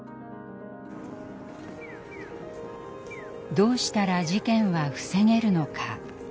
どうしたら事件は防げるのか。